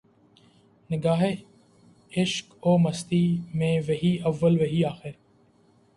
نگاہ عشق و مستی میں وہی اول وہی آخر